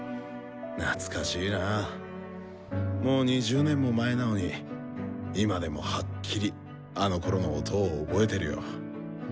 懐かしいなぁもう２０年も前なのに今でもはっきりあのころの音を覚えてるよ。